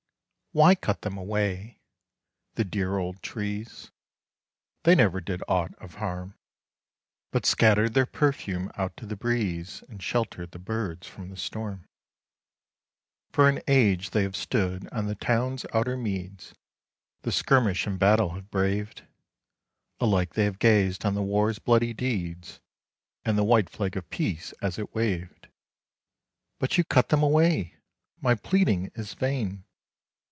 Why cut them away? The dear old trees, They never did aught of harm, But scattered their perfume out to the breeze, And sheltered the birds from the storm. For an age they have stood on the town's outer meads, The skirmish and battle have braved; Alike they have gazed on the war's bloody deeds, And the white flag of peace as it waved. But you cut them away! my pleading is vain!